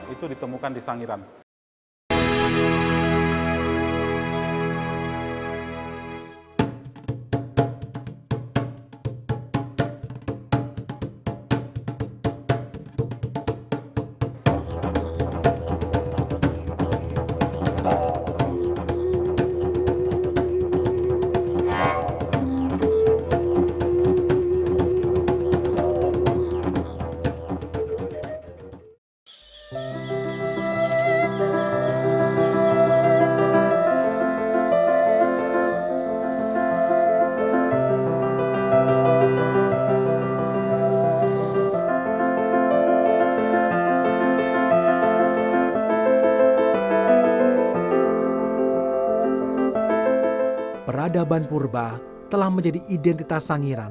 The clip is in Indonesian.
itu ditemukan di sangiran